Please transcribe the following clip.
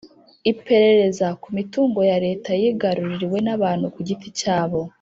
Iperereza ku mitungo ya Leta yigaruriwe nabantu ku giti cyabo